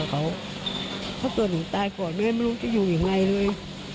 ถ้าตรวจหนึ่งตายก่อนไม่รู้จะอยู่อย่างไรเลย